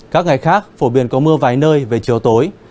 các ngày khác phổ biến có mưa vài nơi về chiều tối